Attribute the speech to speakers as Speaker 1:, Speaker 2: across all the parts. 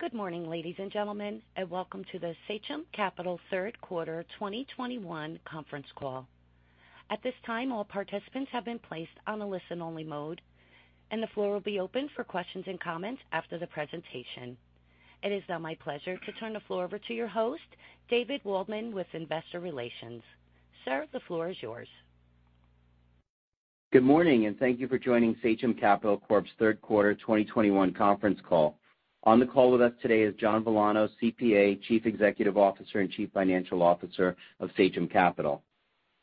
Speaker 1: Good morning, ladies and gentlemen, and welcome to the Sachem Capital third quarter 2021 conference call. At this time, all participants have been placed on a listen-only mode, and the floor will be open for questions and comments after the presentation. It is now my pleasure to turn the floor over to your host, David Waldman, with Investor Relations. Sir, the floor is yours.
Speaker 2: Good morning, and thank you for joining Sachem Capital Corp.'s third quarter 2021 conference call. On the call with us today is John Villano, CPA, Chief Executive Officer and Chief Financial Officer of Sachem Capital.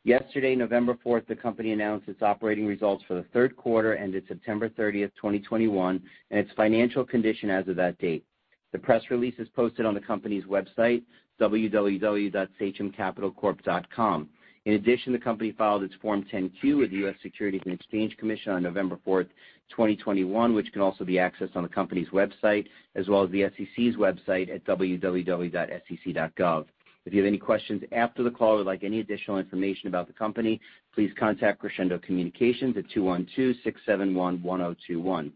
Speaker 2: Yesterday, November 4th, the company announced its operating results for the third quarter ended September 30th 2021, and its financial condition as of that date. The press release is posted on the company's website, www.sachemcapitalcorp.com. In addition, the company filed its Form 10-Q with the U.S. Securities and Exchange Commission on November 4th, 2021, which can also be accessed on the company's website, as well as the SEC's website at www.sec.gov. If you have any questions after the call or would like any additional information about the company, please contact Crescendo Communications at 212-671-1021.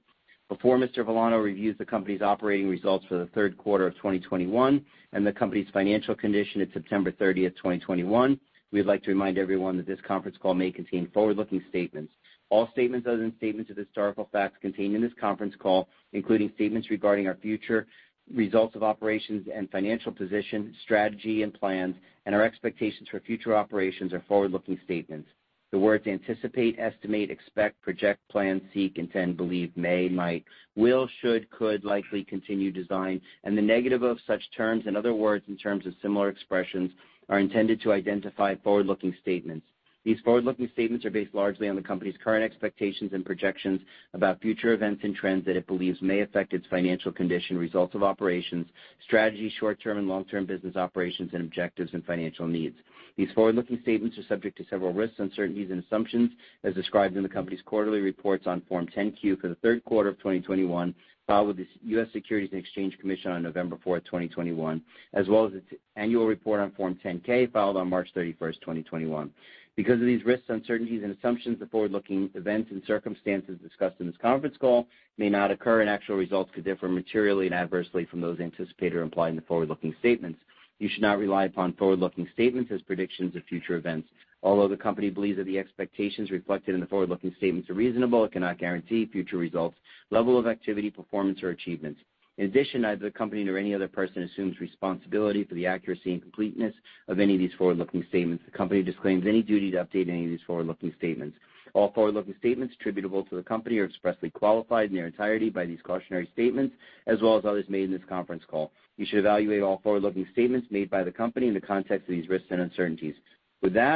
Speaker 2: Before Mr. Villano reviews the company's operating results for the third quarter of 2021 and the company's financial condition at September 30th, 2021. We'd like to remind everyone that this conference call may contain forward-looking statements. All statements other than statements of historical facts contained in this conference call, including statements regarding our future results of operations and financial position, strategy and plans, and our expectations for future operations are forward-looking statements. The words anticipate, estimate, expect, project, plan, seek, intend, believe, may, might, will, should, could, likely, continue, design, and the negative of such terms and other words and terms of similar expressions are intended to identify forward-looking statements. These forward-looking statements are based largely on the company's current expectations and projections about future events and trends that it believes may affect its financial condition, results of operations, strategy, short-term and long-term business operations and objectives, and financial needs. These forward-looking statements are subject to several risks, uncertainties, and assumptions as described in the company's quarterly reports on Form 10-Q for the third quarter of 2021, filed with the U.S. Securities and Exchange Commission on November 4, 2021, as well as its annual report on Form 10-K, filed on March 31st, 2021. Because of these risks, uncertainties, and assumptions, the forward-looking events and circumstances discussed in this conference call may not occur, and actual results could differ materially and adversely from those anticipated or implied in the forward-looking statements. You should not rely upon forward-looking statements as predictions of future events. Although the company believes that the expectations reflected in the forward-looking statements are reasonable, it cannot guarantee future results, level of activity, performance, or achievements. In addition, neither the company nor any other person assumes responsibility for the accuracy and completeness of any of these forward-looking statements. The company disclaims any duty to update any of these forward-looking statements. All forward-looking statements attributable to the company are expressly qualified in their entirety by these cautionary statements as well as others made in this conference call. You should evaluate all forward-looking statements made by the company in the context of these risks and uncertainties.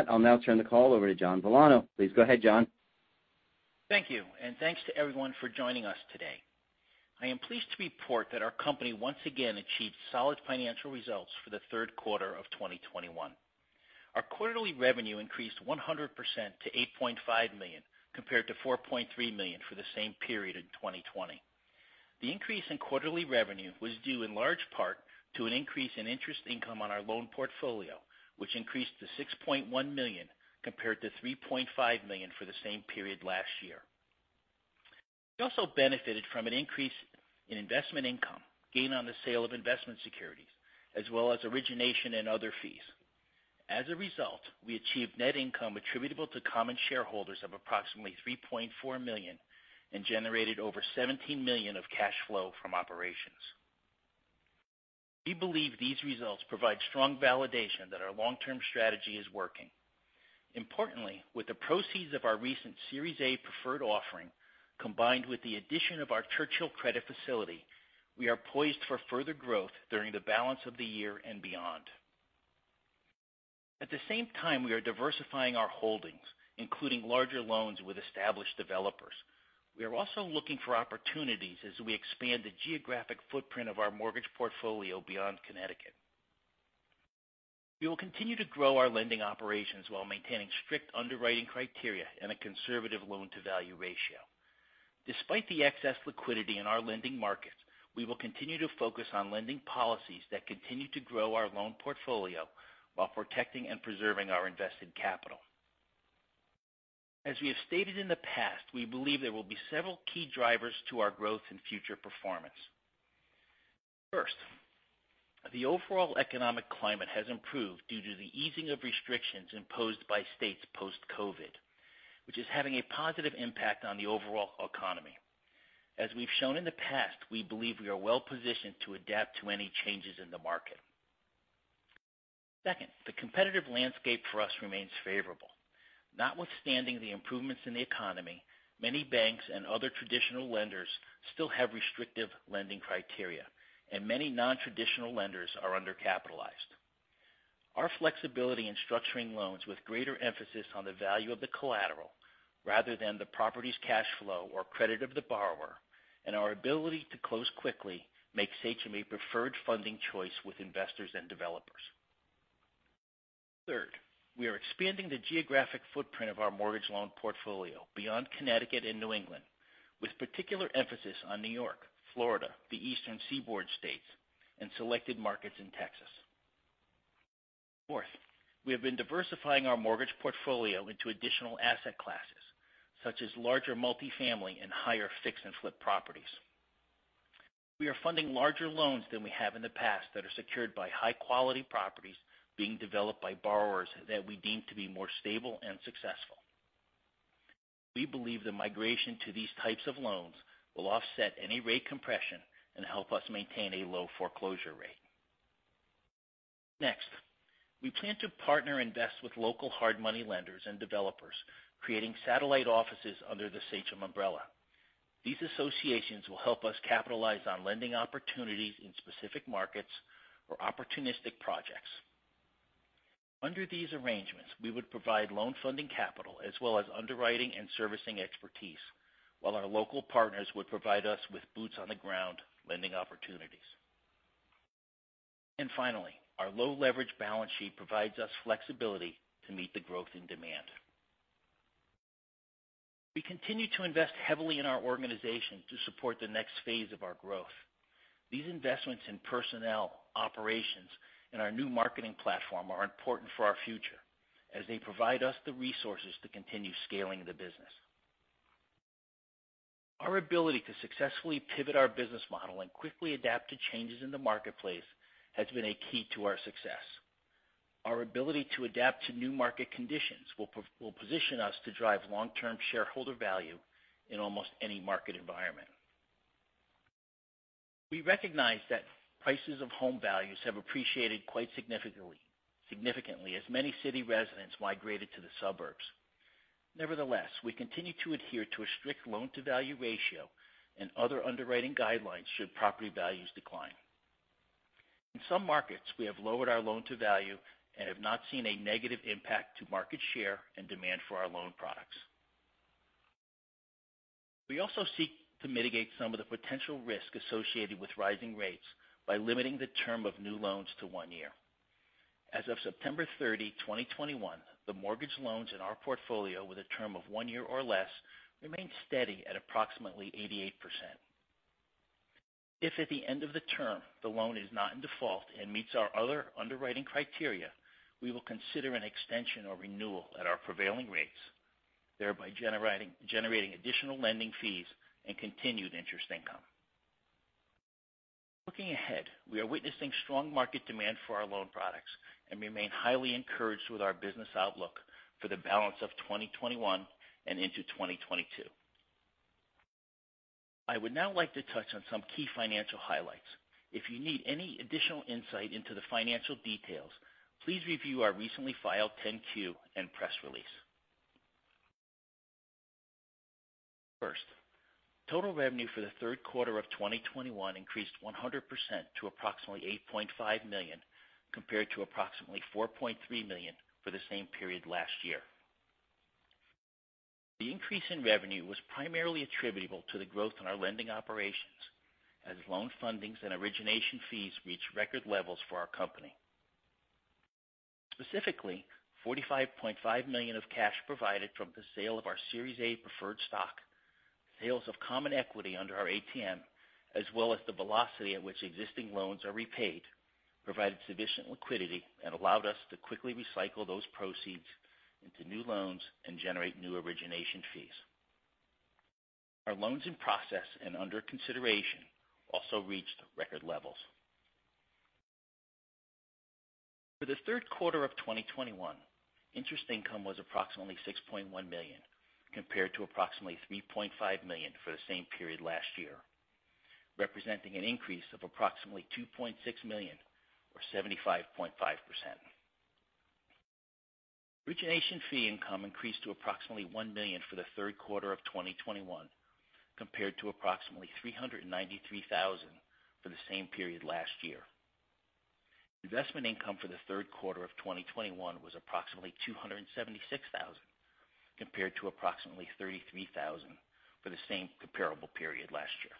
Speaker 2: I'll now turn the call over to John Villano. Please go ahead, John.
Speaker 3: Thank you, thanks to everyone for joining us today. I am pleased to report that our company once again achieved solid financial results for the 3rd quarter of 2021. Our quarterly revenue increased 100% to $8.5 million, compared to $4.3 million for the same period in 2020. The increase in quarterly revenue was due in large part to an increase in interest income on our loan portfolio, which increased to $6.1 million, compared to $3.5 million for the same period last year. We also benefited from an increase in investment income gained on the sale of investment securities as well as origination and other fees. As a result, we achieved net income attributable to common shareholders of approximately $3.4 million and generated over $17 million of cash flow from operations. We believe these results provide strong validation that our long-term strategy is working. Importantly, with the proceeds of our recent Series A Preferred offering, combined with the addition of our Churchill credit facility, we are poised for further growth during the balance of the year and beyond. At the same time, we are diversifying our holdings, including larger loans with established developers. We are also looking for opportunities as we expand the geographic footprint of our mortgage portfolio beyond Connecticut. We will continue to grow our lending operations while maintaining strict underwriting criteria and a conservative loan-to-value ratio. Despite the excess liquidity in our lending markets, we will continue to focus on lending policies that continue to grow our loan portfolio while protecting and preserving our invested capital. As we have stated in the past, we believe there will be several key drivers to our growth and future performance. First, the overall economic climate has improved due to the easing of restrictions imposed by states post-COVID, which is having a positive impact on the overall economy. As we've shown in the past, we believe we are well-positioned to adapt to any changes in the market. Second, the competitive landscape for us remains favorable. Notwithstanding the improvements in the economy, many banks and other traditional lenders still have restrictive lending criteria, and many non-traditional lenders are undercapitalized. Our flexibility in structuring loans with greater emphasis on the value of the collateral rather than the property's cash flow or credit of the borrower, and our ability to close quickly makes Sachem a preferred funding choice with investors and developers. Third, we are expanding the geographic footprint of our mortgage loan portfolio beyond Connecticut and New England, with particular emphasis on New York, Florida, the Eastern Seaboard states, and selected markets in Texas. Fourth, we have been diversifying our mortgage portfolio into additional asset classes, such as larger multifamily and higher fix and flip properties. We are funding larger loans than we have in the past that are secured by high quality properties being developed by borrowers that we deem to be more stable and successful. We believe the migration to these types of loans will offset any rate compression and help us maintain a low foreclosure rate. Next, we plan to partner invest with local hard money lenders and developers, creating satellite offices under the Sachem umbrella. These associations will help us capitalize on lending opportunities in specific markets or opportunistic projects. Under these arrangements, we would provide loan funding capital as well as underwriting and servicing expertise, while our local partners would provide us with boots on the ground lending opportunities. Finally, our low leverage balance sheet provides us flexibility to meet the growth in demand. We continue to invest heavily in our organization to support the next phase of our growth. These investments in personnel, operations, and our new marketing platform are important for our future as they provide us the resources to continue scaling the business. Our ability to successfully pivot our business model and quickly adapt to changes in the marketplace has been a key to our success. Our ability to adapt to new market conditions will position us to drive long-term shareholder value in almost any market environment. We recognize that prices of home values have appreciated quite significantly as many city residents migrated to the suburbs. Nevertheless, we continue to adhere to a strict loan to value ratio and other underwriting guidelines should property values decline. In some markets, we have lowered our loan to value and have not seen a negative impact to market share and demand for our loan products. We also seek to mitigate some of the potential risk associated with rising rates by limiting the term of new loans to one year. As of September 30, 2021, the mortgage loans in our portfolio with a term of one year or less remained steady at approximately 88%. If at the end of the term, the loan is not in default and meets our other underwriting criteria, we will consider an extension or renewal at our prevailing rates, thereby generating additional lending fees and continued interest income. Looking ahead, we are witnessing strong market demand for our loan products and remain highly encouraged with our business outlook for the balance of 2021 and into 2022. I would now like to touch on some key financial highlights. If you need any additional insight into the financial details, please review our recently filed Form 10-Q and press release. Total revenue for the third quarter of 2021 increased 100% to approximately $8.5 million, compared to approximately $4.3 million for the same period last year. The increase in revenue was primarily attributable to the growth in our lending operations as loan fundings and origination fees reached record levels for our company. Specifically, $45.5 million of cash provided from the sale of our Series A Preferred Stock, sales of common equity under our ATM, as well as the velocity at which existing loans are repaid, provided sufficient liquidity and allowed us to quickly recycle those proceeds into new loans and generate new origination fees. Our loans in process and under consideration also reached record levels. For the third quarter of 2021, interest income was approximately $6.1 million, compared to approximately $3.5 million for the same period last year, representing an increase of approximately $2.6 million or 75.5%. Origination fee income increased to approximately $1 million for the third quarter of 2021, compared to approximately $393,000 for the same period last year. Investment income for the third quarter of 2021 was approximately $276,000, compared to approximately $33,000 for the same comparable period last year.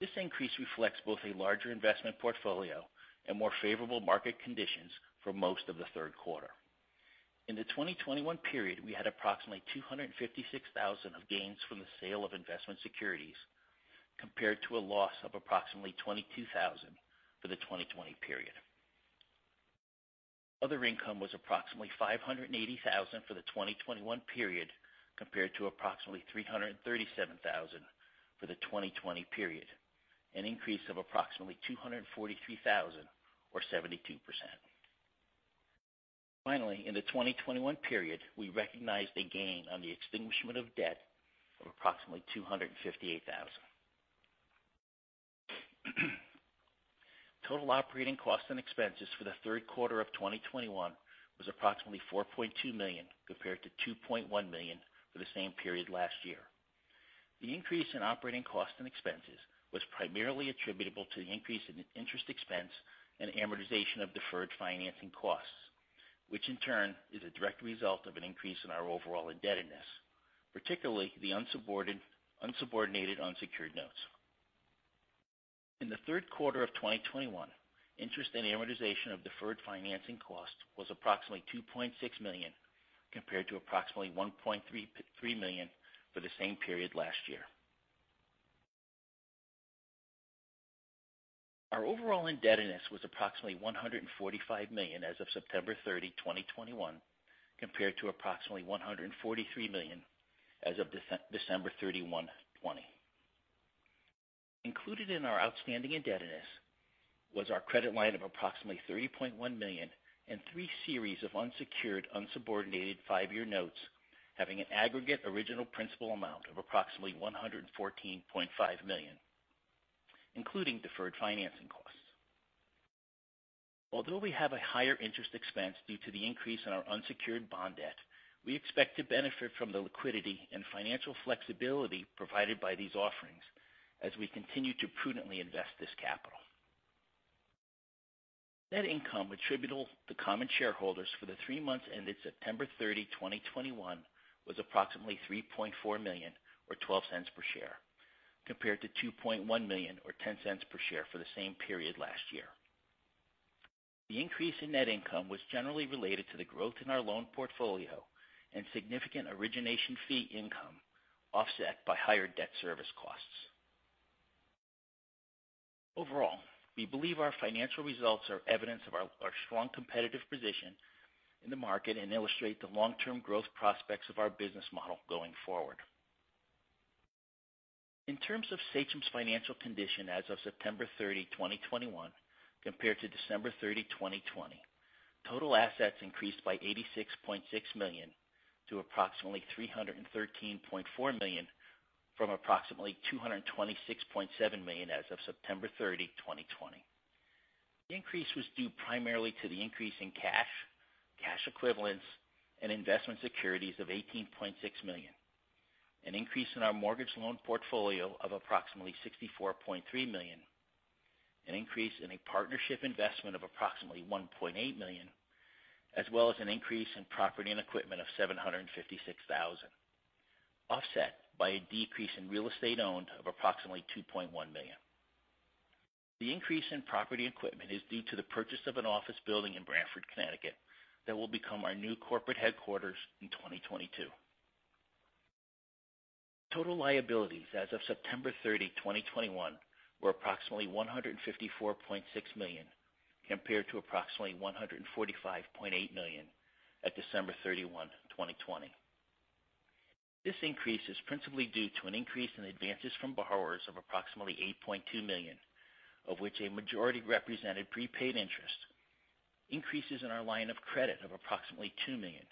Speaker 3: This increase reflects both a larger investment portfolio and more favorable market conditions for most of the third quarter. In the 2021 period, we had approximately $256,000 of gains from the sale of investment securities, compared to a loss of approximately $22,000 for the 2020 period. Other income was approximately $580,000 for the 2021 period, compared to approximately $337,000 for the 2020 period, an increase of approximately $243,000 or 72%. Finally, in the 2021 period, we recognized a gain on the extinguishment of debt of approximately $258,000. Total operating costs and expenses for the third quarter of 2021 was approximately $4.2 million, compared to $2.1 million for the same period last year. The increase in operating costs and expenses was primarily attributable to the increase in interest expense and amortization of deferred financing costs, which in turn is a direct result of an increase in our overall indebtedness, particularly the unsubordinated unsecured notes. In the third quarter of 2021, interest and amortization of deferred financing costs was approximately $2.6 million, compared to approximately $1.33 million for the same period last year. Our overall indebtedness was approximately $145 million as of September 30, 2021, compared to approximately $143 million as of December 31, 2020. Included in our outstanding indebtedness was our credit line of approximately $3.1 million and three series of unsecured, unsubordinated five-year notes, having an aggregate original principal amount of approximately $114.5 million, including deferred financing costs. We have a higher interest expense due to the increase in our unsecured bond debt, we expect to benefit from the liquidity and financial flexibility provided by these offerings as we continue to prudently invest this capital. Net income attributable to common shareholders for the three months ended September 30, 2021, was approximately $3.4 million or $0.12 per share, compared to $2.1 million or $0.10 per share for the same period last year. The increase in net income was generally related to the growth in our loan portfolio and significant origination fee income, offset by higher debt service costs. Overall, we believe our financial results are evidence of our strong competitive position in the market and illustrate the long-term growth prospects of our business model going forward. In terms of Sachem's financial condition as of September 30, 2021, compared to December 30, 2020, total assets increased by $86.6 million to approximately $313.4 million from approximately $226.7 million as of September 30, 2020. The increase was due primarily to the increase in cash equivalents, and investment securities of $18.6 million, an increase in our mortgage loan portfolio of approximately $64.3 million, an increase in a partnership investment of approximately $1.8 million, as well as an increase in property and equipment of $756,000, offset by a decrease in real estate owned of approximately $2.1 million. The increase in property equipment is due to the purchase of an office building in Branford, Connecticut, that will become our new corporate headquarters in 2022. Total liabilities as of September 30, 2021, were approximately $154.6 million, compared to approximately $145.8 million at December 31, 2020. This increase is principally due to an increase in advances from borrowers of approximately $8.2 million, of which a majority represented prepaid interest, increases in our line of credit of approximately $2 million,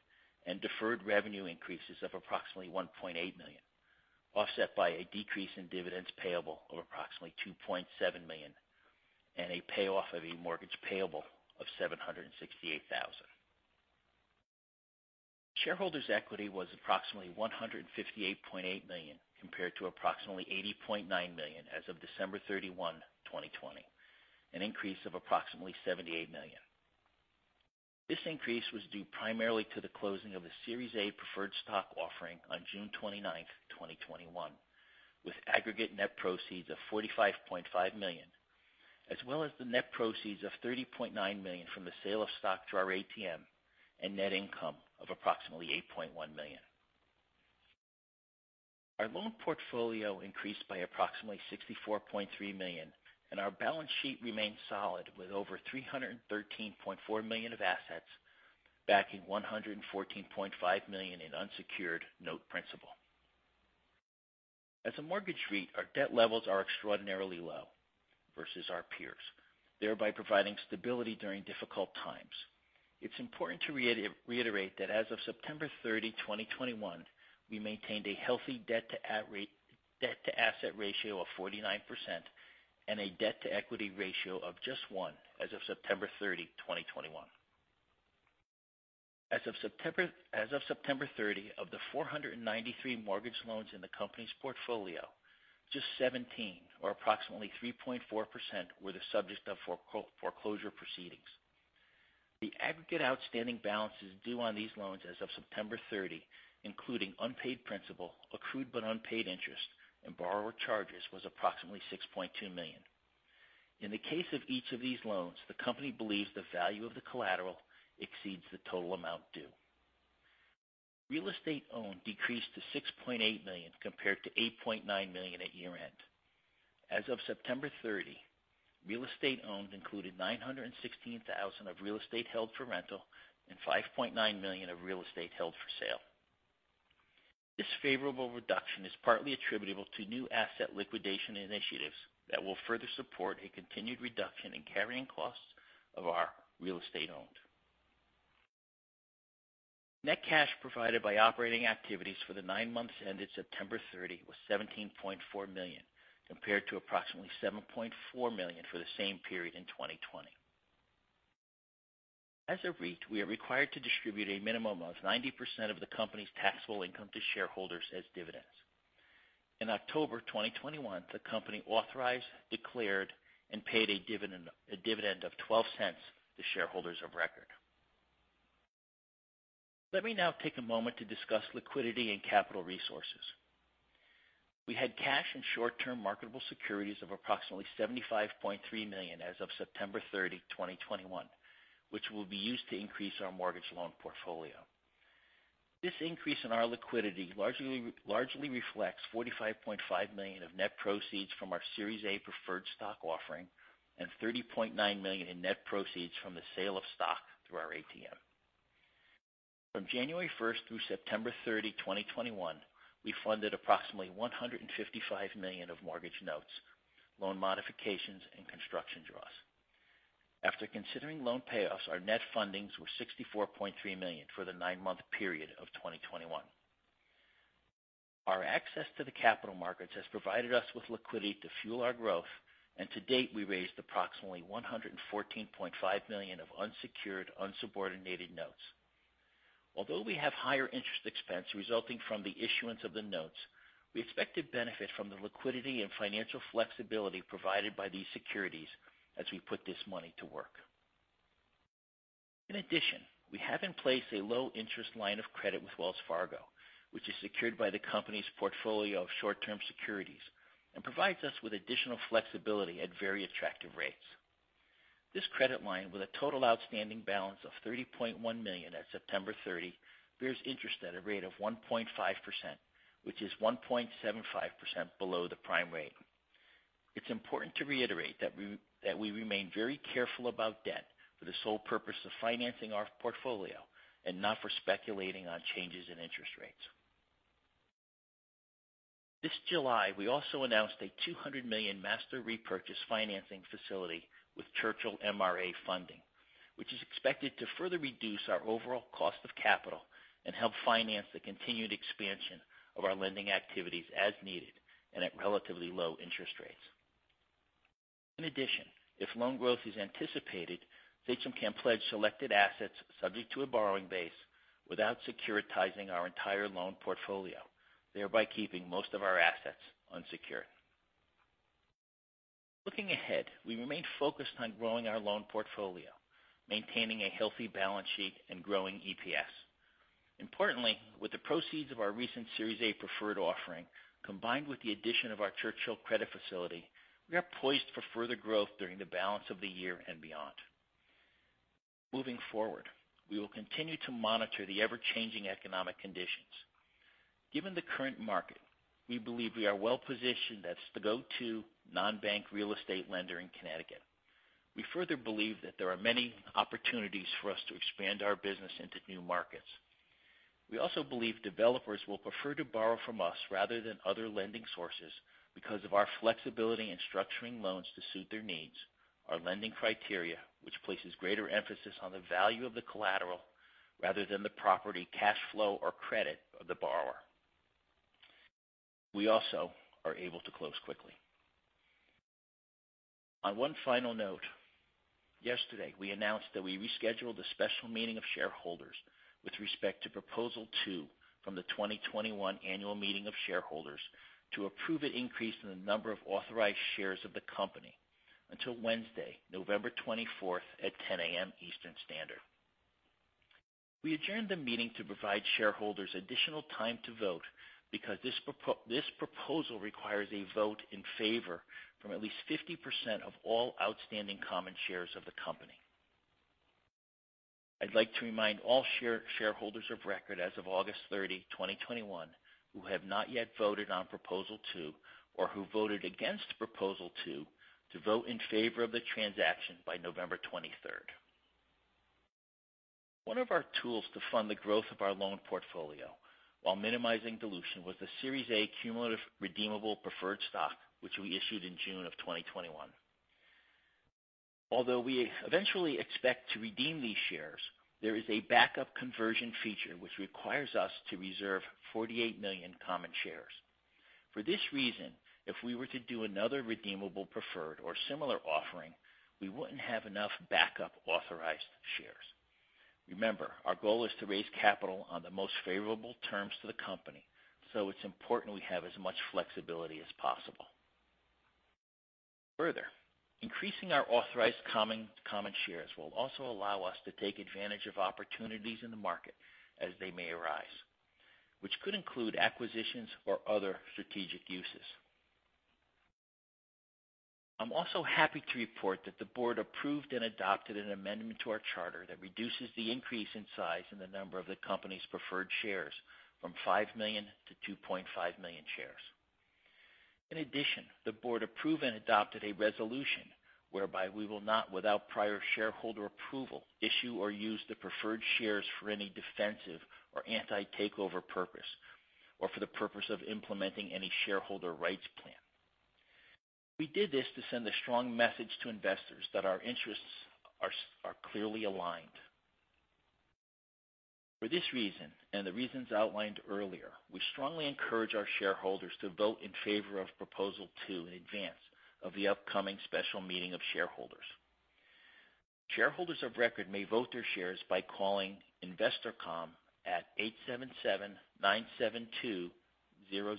Speaker 3: and deferred revenue increases of approximately $1.8 million, offset by a decrease in dividends payable of approximately $2.7 million and a payoff of a mortgage payable of $768,000. Shareholders' equity was approximately $158.8 million compared to approximately $80.9 million as of December 31, 2020, an increase of approximately $78 million. This increase was due primarily to the closing of a Series A Preferred Stock offering on June 29, 2021, with aggregate net proceeds of $45.5 million, as well as the net proceeds of $30.9 million from the sale of stock to our ATM and net income of approximately $8.1 million. Our loan portfolio increased by approximately $64.3 million. Our balance sheet remains solid with over $313.4 million of assets, backing $114.5 million in unsecured note principal. As a mortgage REIT, our debt levels are extraordinarily low versus our peers, thereby providing stability during difficult times. It's important to reiterate that as of September 30, 2021, we maintained a healthy debt to asset ratio of 49% and a debt-to-equity ratio of just 1 as of September 30, 2021. As of September 30, of the 493 mortgage loans in the company's portfolio, just 17 or approximately 3.4% were the subject of foreclosure proceedings. The aggregate outstanding balances due on these loans as of September 30, including unpaid principal, accrued but unpaid interest, and borrower charges, was approximately $6.2 million. In the case of each of these loans, the company believes the value of the collateral exceeds the total amount due. Real estate owned decreased to $6.8 million compared to $8.9 million at year-end. As of September 30, real estate owned included $916,000 of real estate held for rental and $5.9 million of real estate held for sale. This favorable reduction is partly attributable to new asset liquidation initiatives that will further support a continued reduction in carrying costs of our real estate owned. Net cash provided by operating activities for the nine months ended September 30 was $17.4 million, compared to approximately $7.4 million for the same period in 2020. As a REIT, we are required to distribute a minimum of 90% of the company's taxable income to shareholders as dividends. In October 2021, the company authorized, declared, and paid a dividend of $0.12 to shareholders of record. Let me now take a moment to discuss liquidity and capital resources. We had cash and short-term marketable securities of approximately $75.3 million as of September 30, 2021, which will be used to increase our mortgage loan portfolio. This increase in our liquidity largely reflects $45.5 million of net proceeds from our Series A Preferred Stock offering and $30.9 million in net proceeds from the sale of stock through our ATM. From January 1st through September 30, 2021, we funded approximately $155 million of mortgage notes, loan modifications, and construction draws. After considering loan payoffs, our net fundings were $64.3 million for the nine-month period of 2021. To date, we raised approximately $114.5 million of unsecured, unsubordinated notes. Although we have higher interest expense resulting from the issuance of the notes, we expect to benefit from the liquidity and financial flexibility provided by these securities as we put this money to work. In addition, we have in place a low interest line of credit with Wells Fargo, which is secured by the company's portfolio of short-term securities and provides us with additional flexibility at very attractive rates. This credit line, with a total outstanding balance of $30.1 million at September 30, bears interest at a rate of 1.5%, which is 1.75% below the prime rate. It's important to reiterate that we remain very careful about debt for the sole purpose of financing our portfolio and not for speculating on changes in interest rates. This July, we also announced a $200 million master repurchase financing facility with Churchill MRA Funding, which is expected to further reduce our overall cost of capital and help finance the continued expansion of our lending activities as needed and at relatively low interest rates. If loan growth is anticipated, Sachem can pledge selected assets subject to a borrowing base without securitizing our entire loan portfolio, thereby keeping most of our assets unsecured. Looking ahead, we remain focused on growing our loan portfolio, maintaining a healthy balance sheet, and growing EPS. Importantly, with the proceeds of our recent Series A preferred offering, combined with the addition of our Churchill credit facility, we are poised for further growth during the balance of the year and beyond. Moving forward, we will continue to monitor the ever-changing economic conditions. Given the current market, we believe we are well-positioned as the go-to non-bank real estate lender in Connecticut. We further believe that there are many opportunities for us to expand our business into new markets. We also believe developers will prefer to borrow from us rather than other lending sources because of our flexibility in structuring loans to suit their needs, our lending criteria, which places greater emphasis on the value of the collateral rather than the property cash flow or credit of the borrower. We also are able to close quickly. On one final note, yesterday, we announced that we rescheduled a special meeting of shareholders with respect to Proposal Two from the 2021 annual meeting of shareholders to approve an increase in the number of authorized shares of the company until Wednesday, November 24th at 10:00 A.M. Eastern Standard. We adjourned the meeting to provide shareholders additional time to vote because this proposal requires a vote in favor from at least 50% of all outstanding common shares of the company. I'd like to remind all shareholders of record as of August 30, 2021, who have not yet voted on Proposal Two or who voted against Proposal Two, to vote in favor of the transaction by November 23rd. One of our tools to fund the growth of our loan portfolio while minimizing dilution was the Series A Cumulative Redeemable Preferred Stock, which we issued in June of 2021. Although we eventually expect to redeem these shares, there is a backup conversion feature which requires us to reserve 48 million common shares. For this reason, if we were to do another redeemable preferred or similar offering, we wouldn't have enough backup authorized shares. Remember, our goal is to raise capital on the most favorable terms to the company, so it's important we have as much flexibility as possible. Further, increasing our authorized common shares will also allow us to take advantage of opportunities in the market as they may arise, which could include acquisitions or other strategic uses. I'm also happy to report that the board approved and adopted an amendment to our charter that reduces the increase in size in the number of the company's preferred shares from five million to 2.5 million shares. In addition, the board approved and adopted a resolution whereby we will not, without prior shareholder approval, issue or use the preferred shares for any defensive or anti-takeover purpose or for the purpose of implementing any shareholder rights plan. We did this to send a strong message to investors that our interests are clearly aligned. For this reason, and the reasons outlined earlier, we strongly encourage our shareholders to vote in favor of Proposal Two in advance of the upcoming special meeting of shareholders. Shareholders of record may vote their shares by calling InvestorCom at 877-972-0090.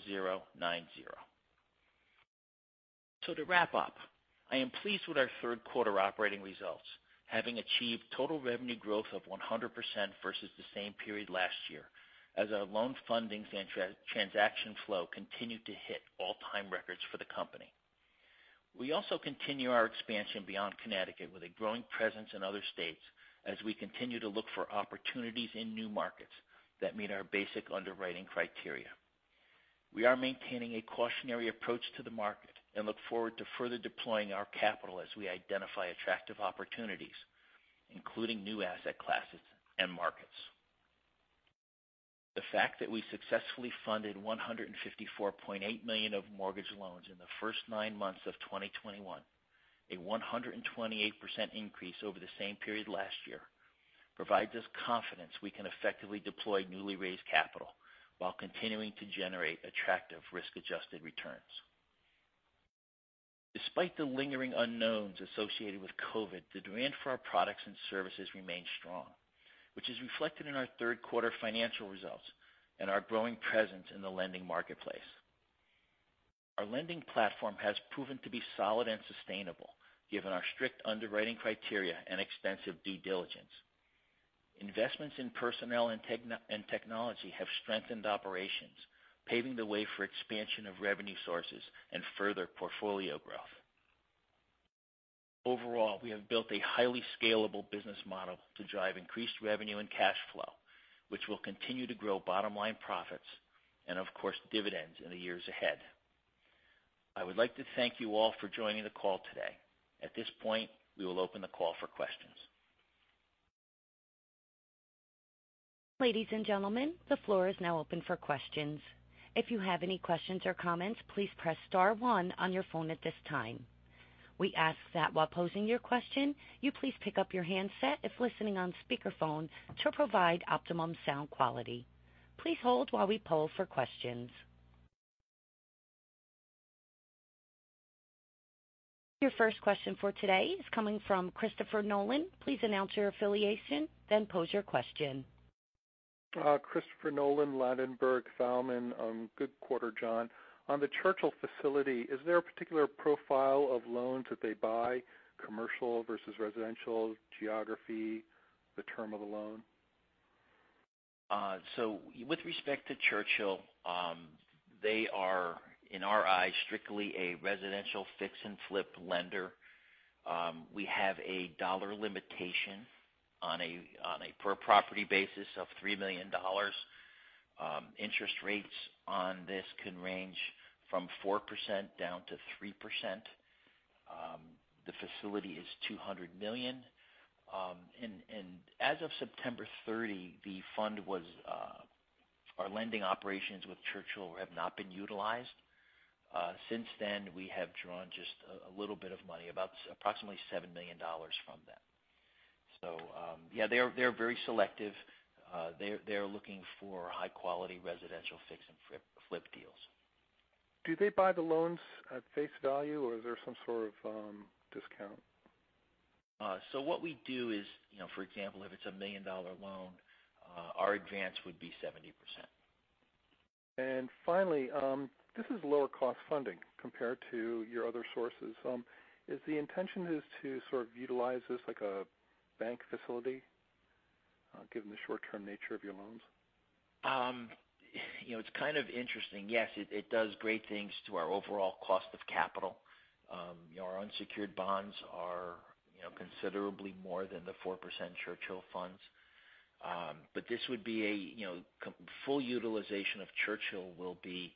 Speaker 3: To wrap up, I am pleased with our third quarter operating results, having achieved total revenue growth of 100% versus the same period last year as our loan fundings and transaction flow continued to hit all-time records for the company. We also continue our expansion beyond Connecticut with a growing presence in other states as we continue to look for opportunities in new markets that meet our basic underwriting criteria. We are maintaining a cautionary approach to the market and look forward to further deploying our capital as we identify attractive opportunities, including new asset classes and markets. The fact that we successfully funded $154.8 million of mortgage loans in the first nine months of 2021, a 128% increase over the same period last year, provides us confidence we can effectively deploy newly raised capital while continuing to generate attractive risk-adjusted returns. Despite the lingering unknowns associated with COVID, the demand for our products and services remains strong, which is reflected in our third quarter financial results and our growing presence in the lending marketplace. Our lending platform has proven to be solid and sustainable given our strict underwriting criteria and extensive due diligence. Investments in personnel and technology have strengthened operations, paving the way for expansion of revenue sources and further portfolio growth. Overall, we have built a highly scalable business model to drive increased revenue and cash flow, which will continue to grow bottom-line profits and of course, dividends in the years ahead. I would like to thank you all for joining the call today. At this point, we will open the call for questions.
Speaker 1: Ladies and gentlemen, the floor is now open for questions. If you have any questions or comments, please press star one on your phone at this time. We ask that while posing your question, you please pick up your handset if listening on speakerphone to provide optimum sound quality. Your first question for today is coming from Christopher Nolan. Please announce your affiliation, then pose your question.
Speaker 4: Christopher Nolan, Ladenburg Thalmann. Good quarter, John. On the Churchill facility, is there a particular profile of loans that they buy commercial versus residential geography, the term of the loan?
Speaker 3: With respect to Churchill, they are, in our eyes, strictly a residential fix and flip lender. We have a dollar limitation on a per property basis of $3 million. Interest rates on this can range from 4% down to 3%. The facility is $200 million. As of September 30, the fund was. Our lending operations with Churchill have not been utilized. Since then, we have drawn just a little bit of money, about approximately $7 million from them. Yeah, they're very selective. They're looking for high-quality residential fix and flip deals.
Speaker 4: Do they buy the loans at face value, or is there some sort of, discount?
Speaker 3: What we do is, you know, for example, if it's a $1 million loan, our advance would be 70%.
Speaker 4: Finally, this is lower cost funding compared to your other sources. Is the intention to sort of utilize this like a bank facility, given the short-term nature of your loans?
Speaker 3: You know, it's kind of interesting. Yes, it does great things to our overall cost of capital. You know, our unsecured bonds are, you know, considerably more than the 4% Churchill funds. This would be a, you know, full utilization of Churchill will be,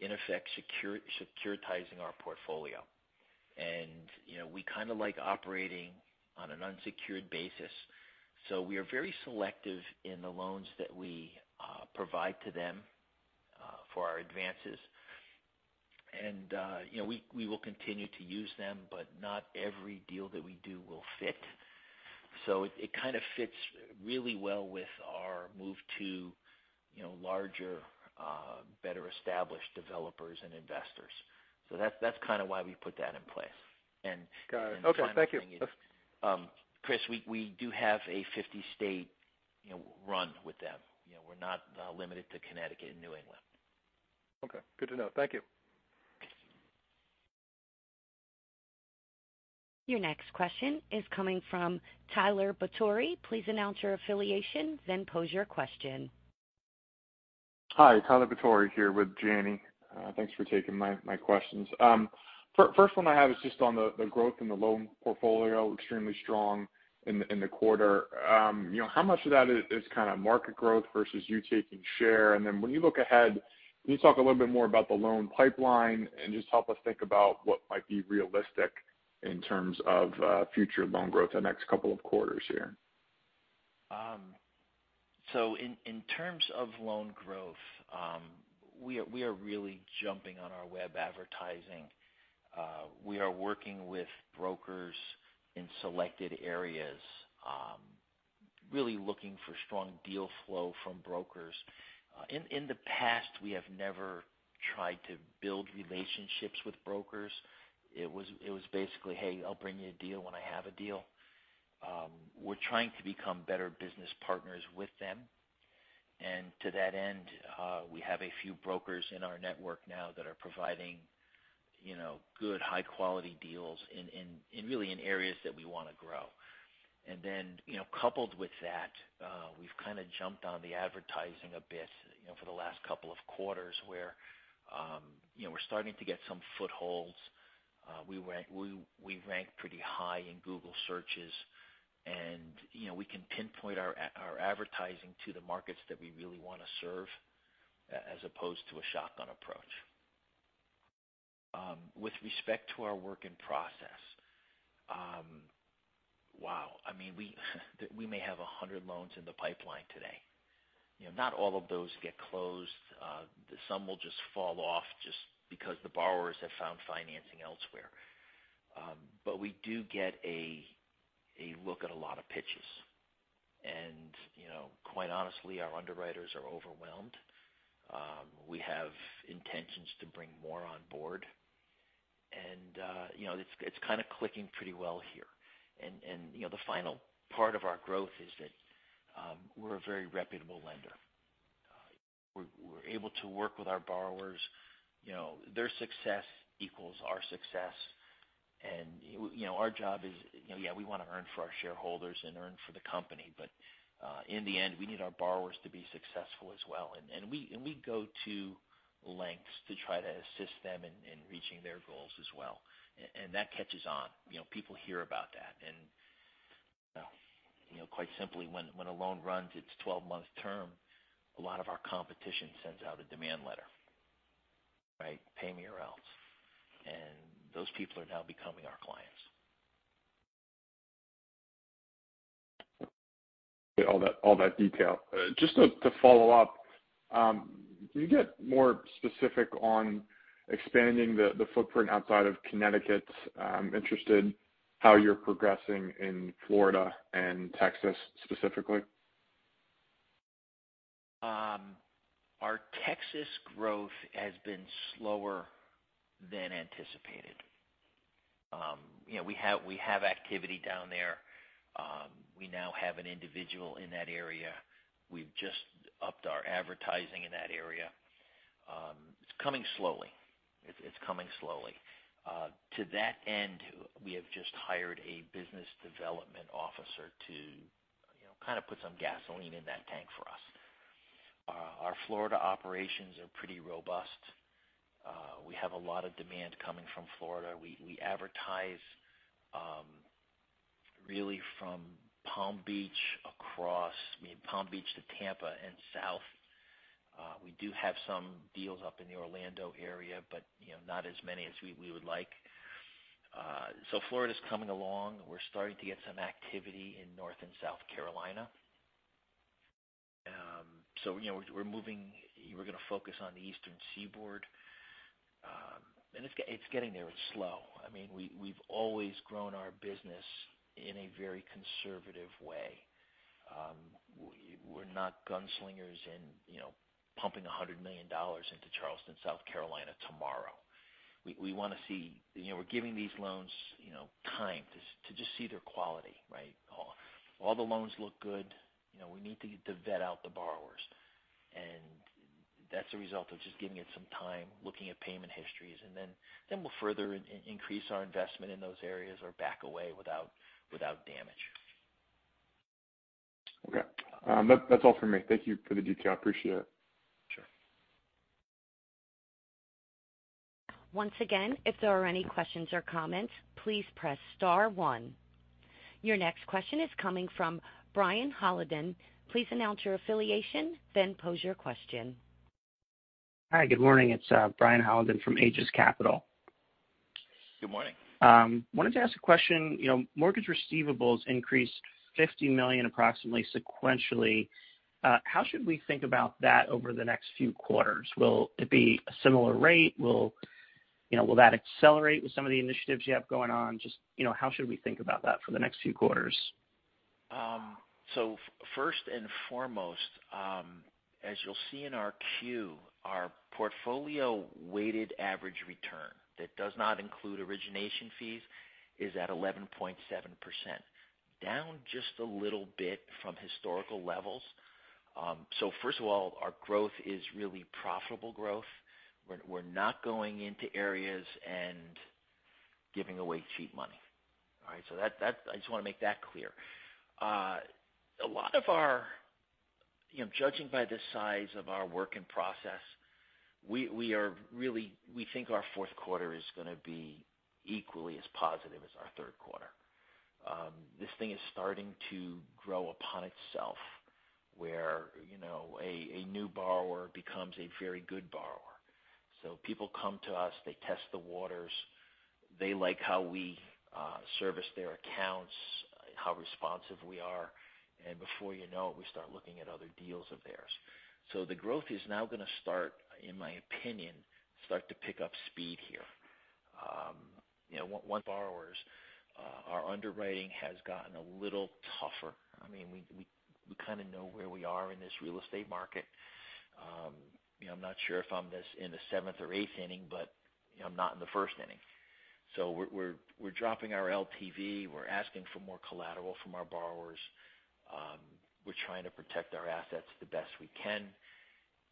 Speaker 3: in effect, securitizing our portfolio. You know, we kind of like operating on an unsecured basis. We are very selective in the loans that we provide to them for our advances. You know, we will continue to use them, but not every deal that we do will fit. It kind of fits really well with our move to, you know, larger, better established developers and investors. That's kind of why we put that in place.
Speaker 4: Got it. Okay. Thank you.
Speaker 3: Chris, we do have a 50-state, you know, run with them. You know, we're not limited to Connecticut and New England.
Speaker 4: Okay. Good to know. Thank you.
Speaker 1: Your next question is coming from Tyler Batory. Please announce your affiliation, then pose your question.
Speaker 5: Hi, Tyler Batory here with Janney. Thanks for taking my questions. First one I have is just on the growth in the loan portfolio, extremely strong in the quarter. You know, how much of that is kind of market growth versus you taking share? When you look ahead, can you talk a little bit more about the loan pipeline and just help us think about what might be realistic in terms of future loan growth the next couple of quarters here?
Speaker 3: In terms of loan growth, we are really jumping on our web advertising. We are working with brokers in selected areas, really looking for strong deal flow from brokers. In the past, we have never tried to build relationships with brokers. It was basically, "Hey, I'll bring you a deal when I have a deal." We're trying to become better business partners with them. To that end, we have a few brokers in our network now that are providing, you know, good, high-quality deals in really in areas that we wanna grow. Coupled with that, we've kind of jumped on the advertising a bit, you know, for the last couple of quarters where, you know, we're starting to get some footholds. We rank pretty high in Google searches and, you know, we can pinpoint our advertising to the markets that we really wanna serve as opposed to a shotgun approach. With respect to our work in process, wow, I mean, we may have 100 loans in the pipeline today. You know, not all of those get closed. Some will just fall off just because the borrowers have found financing elsewhere. We do get a look at a lot of pitches. You know, quite honestly, our underwriters are overwhelmed. We have intentions to bring more on board. You know, it's kinda clicking pretty well here. You know, the final part of our growth is that we're a very reputable lender. We're able to work with our borrowers. You know, their success equals our success. You know, our job is, you know, yeah, we wanna earn for our shareholders and earn for the company, but in the end, we need our borrowers to be successful as well. We go to lengths to try to assist them in reaching their goals as well. That catches on. You know, people hear about that. You know, quite simply, when a loan runs its 12-month term, a lot of our competition sends out a demand letter, right? Pay me or else. Those people are now becoming our clients.
Speaker 5: All that detail. Just to follow up, can you get more specific on expanding the footprint outside of Connecticut? I'm interested how you're progressing in Florida and Texas specifically.
Speaker 3: Our Texas growth has been slower than anticipated. You know, we have activity down there. We now have an individual in that area. We've just upped our advertising in that area. It's coming slowly. It's coming slowly. To that end, we have just hired a business development officer to, you know, kind of put some gasoline in that tank for us. Our Florida operations are pretty robust. We have a lot of demand coming from Florida. We advertise, really from Palm Beach across, I mean, Palm Beach to Tampa and south. We do have some deals up in the Orlando area, but, you know, not as many as we would like. Florida's coming along. We're starting to get some activity in North and South Carolina. You know, we're moving. We're gonna focus on the Eastern Seaboard. It's getting there. It's slow. I mean, we've always grown our business in a very conservative way. We're not gunslingers and, you know, pumping $100 million into Charleston, South Carolina, tomorrow. We, we wanna see. You know, we're giving these loans, you know, time to just see their quality, right? All the loans look good. You know, we need to vet out the borrowers. That's a result of just giving it some time, looking at payment histories, and then we'll further increase our investment in those areas or back away without damage.
Speaker 5: Okay. That's all for me. Thank you for the detail. I appreciate it.
Speaker 3: Sure.
Speaker 1: Once again, if there are any questions or comments, please press star one. Your next question is coming from Brian Hollenden. Please announce your affiliation, then pose your question.
Speaker 6: Hi. Good morning. It's Brian Hollenden from Aegis Capital.
Speaker 3: Good morning.
Speaker 6: I wanted to ask a question. You know, mortgage receivables increased $50 million, approximately, sequentially. How should we think about that over the next few quarters? Will it be a similar rate? Will, you know, will that accelerate with some of the initiatives you have going on? Just, you know, how should we think about that for the next few quarters?
Speaker 3: First and foremost, as you'll see in our Q, our portfolio weighted average return, that does not include origination fees, is at 11.7%, down just a little bit from historical levels. First of all, our growth is really profitable growth. We're not going into areas and giving away cheap money. All right? I just wanna make that clear. You know, judging by the size of our work in process, we think our fourth quarter is gonna be equally as positive as our third quarter. This thing is starting to grow upon itself, where, you know, a new borrower becomes a very good borrower. People come to us, they test the waters, they like how we service their accounts, how responsive we are, and before you know it, we start looking at other deals of theirs. The growth is now gonna start, in my opinion, start to pick up speed here. You know, one borrowers, our underwriting has gotten a little tougher. I mean, we kinda know where we are in this real estate market. You know, I'm not sure if I'm in the seventh or eighth inning, but, you know, I'm not in the first inning. We're dropping our LTV. We're asking for more collateral from our borrowers. We're trying to protect our assets the best we can.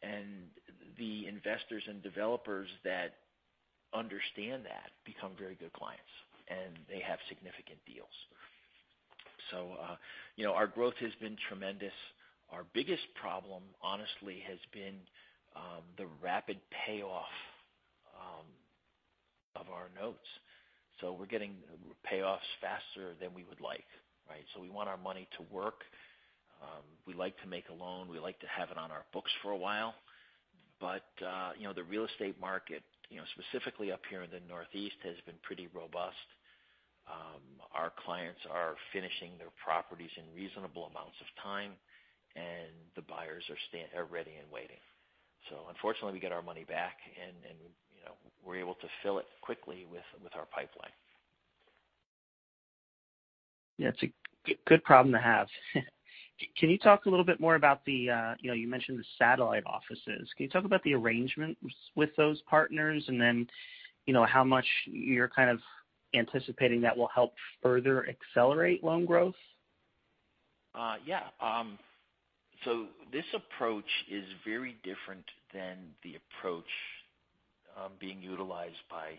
Speaker 3: The investors and developers that understand that become very good clients, and they have significant deals. You know, our growth has been tremendous. Our biggest problem, honestly, has been the rapid payoff of our notes. We're getting payoffs faster than we would like, right? We want our money to work. We like to make a loan. We like to have it on our books for a while. You know, the real estate market, you know, specifically up here in the Northeast, has been pretty robust. Our clients are finishing their properties in reasonable amounts of time, and the buyers are ready and waiting. Unfortunately, we get our money back and, you know, we're able to fill it quickly with our pipeline.
Speaker 6: Yeah, it's a good problem to have. Can you talk a little bit more about the, you know, you mentioned the satellite offices? Can you talk about the arrangements with those partners and then, you know, how much you're kind of anticipating that will help further accelerate loan growth?
Speaker 3: Yeah. So this approach is very different than the approach being utilized by,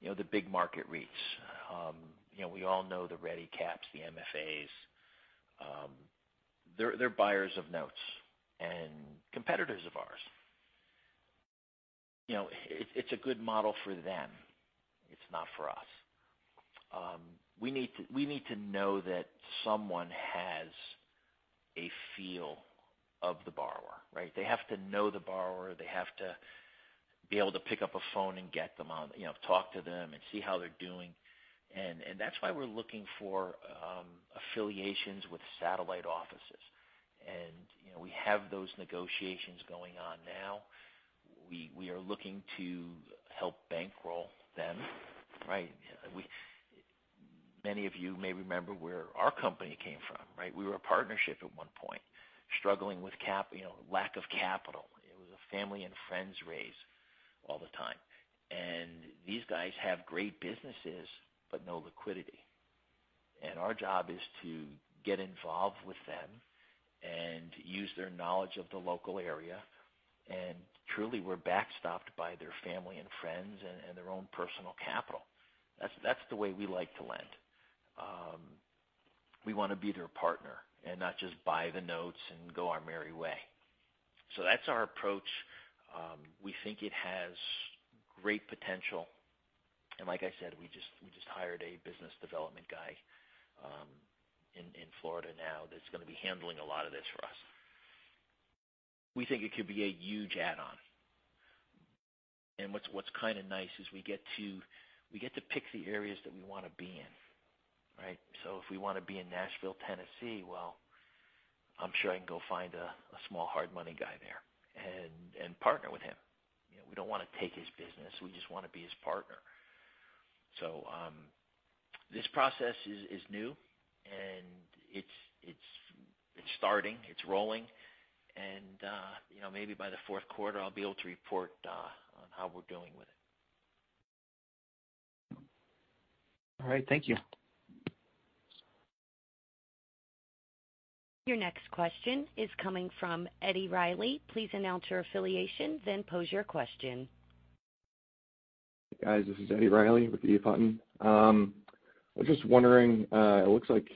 Speaker 3: you know, the big market REITs. You know, we all know the Ready Capital, the MFA Financial. They're buyers of notes and competitors of ours. You know, it's a good model for them. It's not for us. We need to know that someone has a feel of the borrower, right? They have to know the borrower. They have to be able to pick up a phone and get them on, you know, talk to them and see how they're doing. That's why we're looking for affiliations with satellite offices. You know, we have those negotiations going on now. We are looking to help bankroll them, right? Many of you may remember where our company came from, right? We were a partnership at one point, struggling with cap, you know, lack of capital. It was a family and friends raise all the time. These guys have great businesses but no liquidity. Our job is to get involved with them and use their knowledge of the local area. Truly, we're backstopped by their family and friends and their own personal capital. That's, that's the way we like to lend. We wanna be their partner and not just buy the notes and go our merry way. That's our approach. We think it has great potential. Like I said, we just hired a business development guy in Florida now that's gonna be handling a lot of this for us. We think it could be a huge add-on. What's kinda nice is we get to pick the areas that we wanna be in, right? If we wanna be in Nashville, Tennessee, I'm sure I can go find a small hard money guy there and partner with him. You know, we don't wanna take his business. We just wanna be his partner. This process is new and it's starting, it's rolling. You know, maybe by the fourth quarter, I'll be able to report on how we're doing with it.
Speaker 6: All right. Thank you.
Speaker 1: Your next question is coming from Eddie Reilly. Please announce your affiliation then pose your question.
Speaker 7: Guys, this is Eddie Reilly with the EF Hutton. I was just wondering, it looks like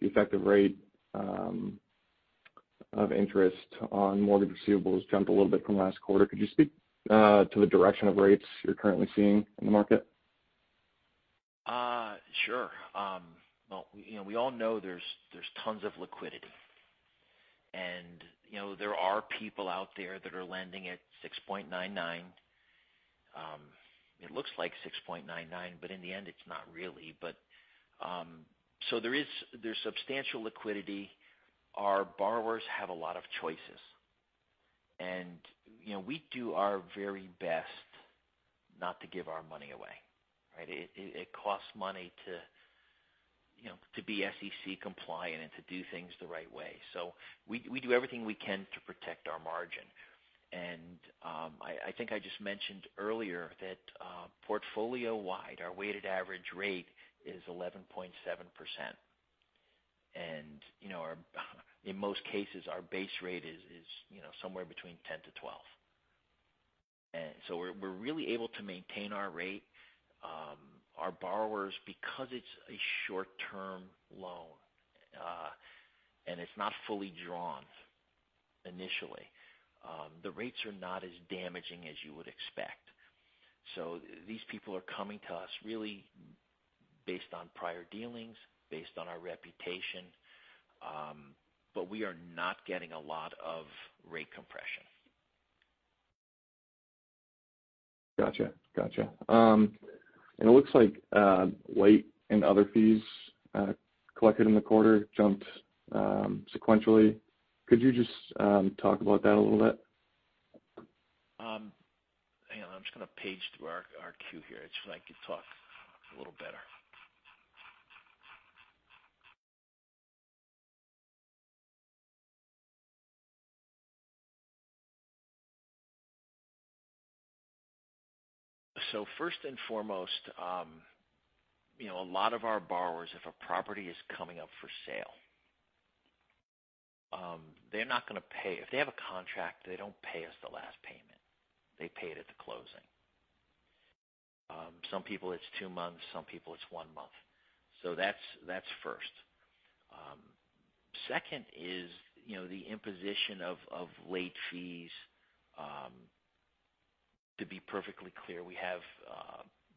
Speaker 7: the effective rate of interest on mortgage receivables jumped a little bit from last quarter. Could you speak to the direction of rates you're currently seeing in the market?
Speaker 3: Sure. Well, you know, we all know there's tons of liquidity. You know, there are people out there that are lending at 6.99. It looks like 6.99, but in the end, it's not really. So there's substantial liquidity. Our borrowers have a lot of choices. You know, we do our very best not to give our money away, right? It costs money to, you know, to be SEC compliant and to do things the right way. We do everything we can to protect our margin. I think I just mentioned earlier that portfolio-wide, our weighted average rate is 11.7%. In most cases, our base rate is, you know, somewhere between 10%-12%. We're really able to maintain our rate. Our borrowers, because it's a short-term loan, and it's not fully drawn initially, the rates are not as damaging as you would expect. These people are coming to us really based on prior dealings, based on our reputation. We are not getting a lot of rate compression.
Speaker 7: Gotcha. Gotcha. It looks like late and other fees collected in the quarter jumped sequentially. Could you just talk about that a little bit?
Speaker 3: Hang on, I'm just gonna page through our queue here so that I can talk a little better. First and foremost, you know, a lot of our borrowers, if a property is coming up for sale, they're not gonna pay. If they have a contract, they don't pay us the last payment. They pay it at the closing. Some people it's two months, some people it's one month. That's first. Second is, you know, the imposition of late fees. To be perfectly clear, we have,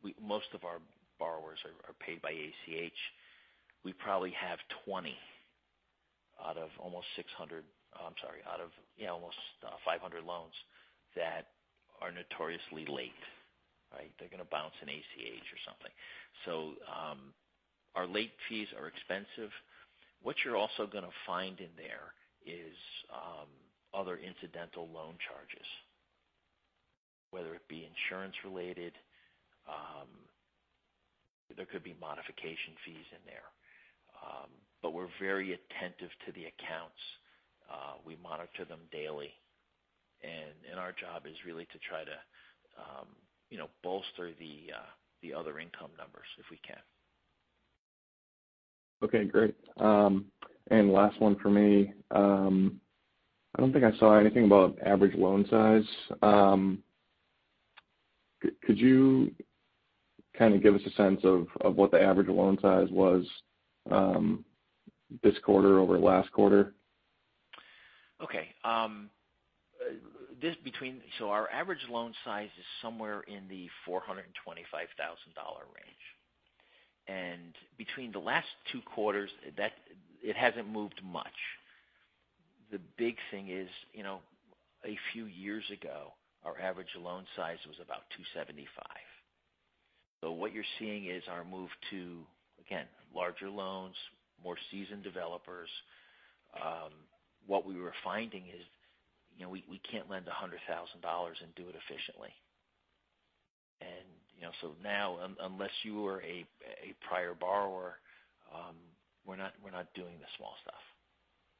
Speaker 3: we most of our borrowers are paid by ACH. We probably have 20 out of almost 600. I'm sorry, out of, you know, almost 500 loans that are notoriously late, right? They're gonna bounce an ACH or something. Our late fees are expensive. What you're also gonna find in there is other incidental loan charges, whether it be insurance related, there could be modification fees in there. We're very attentive to the accounts. We monitor them daily. Our job is really to try to, you know, bolster the other income numbers if we can.
Speaker 7: Okay, great. Last one for me. I don't think I saw anything about average loan size. Could you kinda give us a sense of what the average loan size was, this quarter over last quarter?
Speaker 3: Okay. Our average loan size is somewhere in the $425,000 range. Between the last two quarters, it hasn't moved much. The big thing is, you know, a few years ago, our average loan size was about $275,000. What you're seeing is our move to, again, larger loans, more seasoned developers. What we were finding is, you know, we can't lend $100,000 and do it efficiently. You know, unless you are a prior borrower, we're not doing the small stuff.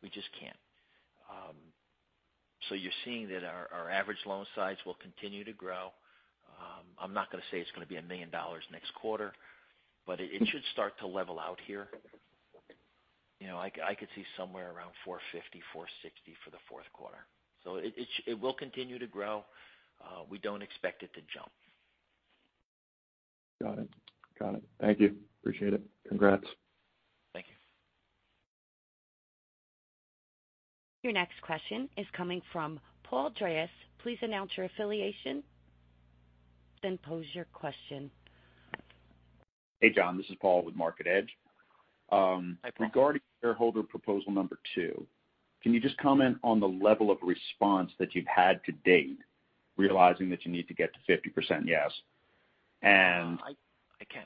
Speaker 3: We just can't. You're seeing that our average loan size will continue to grow. I'm not gonna say it's gonna be $1 million next quarter, but it should start to level out here. You know, I could see somewhere around $450, $460 for the fourth quarter. It will continue to grow. We don't expect it to jump.
Speaker 7: Got it. Got it. Thank you. Appreciate it. Congrats.
Speaker 3: Thank you.
Speaker 1: Your next question is coming from Paul Joyce. Please announce your affiliation then pose your question.
Speaker 8: Hey, John, this is Paul with MarketEdge.
Speaker 3: Hi, Paul.
Speaker 8: Regarding shareholder proposal number two, can you just comment on the level of response that you've had to date, realizing that you need to get to 50% yes?
Speaker 3: I can.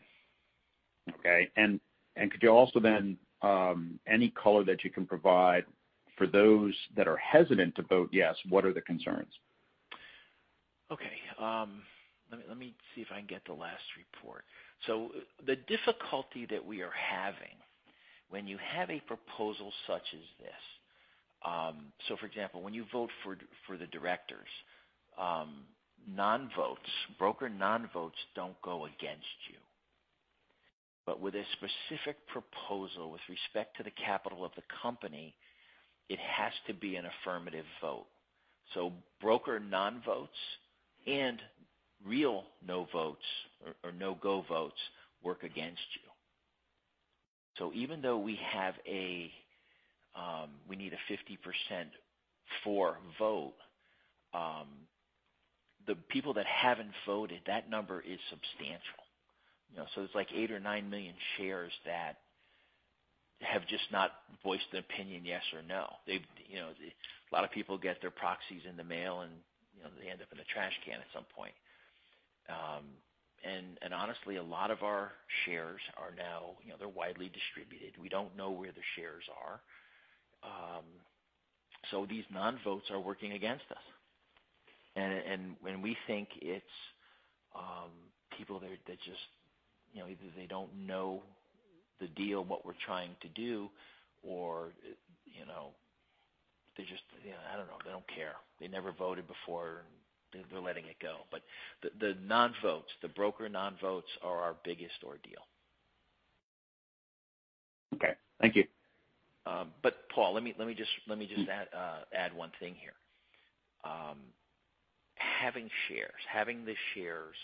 Speaker 8: Okay. Could you also then, any color that you can provide for those that are hesitant to vote yes, what are their concerns?
Speaker 3: Okay. Let me see if I can get the last report. The difficulty that we are having when you have a proposal such as this. For example, when you vote for the directors, non-votes, broker non-votes don't go against you. With a specific proposal with respect to the capital of the company, it has to be an affirmative vote. Broker non-votes and real no votes or no-go votes work against you. Even though we need a 50% for vote, the people that haven't voted, that number is substantial. You know, it's like eight or nine million shares that have just not voiced an opinion, yes or no. A lot of people get their proxies in the mail and, you know, they end up in a trash can at some point. Honestly, a lot of our shares are now, you know, they're widely distributed. We don't know where the shares are. These non-votes are working against us. We think it's people that just, you know, either they don't know the deal, what we're trying to do or, you know, they just, you know, they don't care. They never voted before. They're letting it go. The non-votes, the broker non-votes are our biggest ordeal.
Speaker 8: Okay. Thank you.
Speaker 3: Paul, let me just add one thing here. Having the shares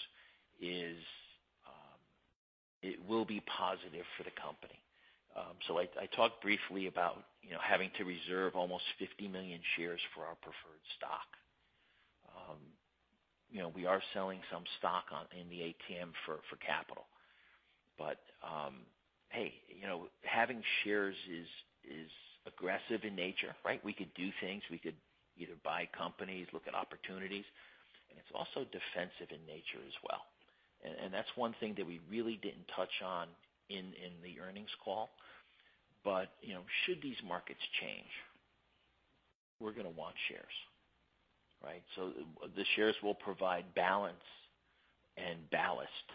Speaker 3: will be positive for the company. I talked briefly about, you know, having to reserve almost 50 million shares for our preferred stock. You know, we are selling some stock in the ATM for capital. You know, having shares is aggressive in nature, right? We could do things. We could either buy companies, look at opportunities, it's also defensive in nature as well. That's one thing that we really didn't touch on in the earnings call. You know, should these markets change, we're going to want shares, right? The shares will provide balance and ballast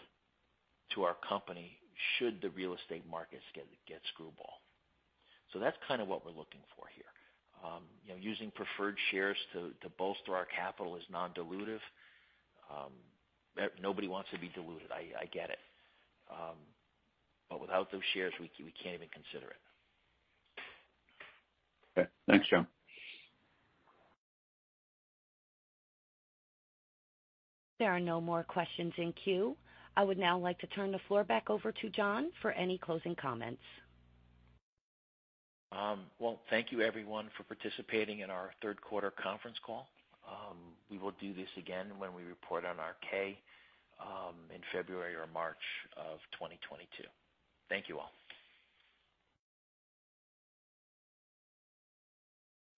Speaker 3: to our company should the real estate markets get screwball. That's kinda what we're looking for here. You know, using preferred shares to bolster our capital is non-dilutive. Nobody wants to be diluted. I get it. Without those shares, we can't even consider it.
Speaker 8: Okay. Thanks, John.
Speaker 1: There are no more questions in queue. I would now like to turn the floor back over to John for any closing comments.
Speaker 3: Thank you everyone for participating in our third quarter conference call. We will do this again when we report on our K in February or March of 2022. Thank you all.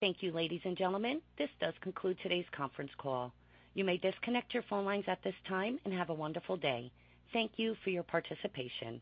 Speaker 1: Thank you, ladies and gentlemen. This does conclude today's conference call. You may disconnect your phone lines at this time and have a wonderful day. Thank you for your participation.